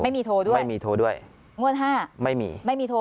ไม่มีโทรด้วยไม่มีโทรด้วยงวดห้าไม่มีไม่มีโทร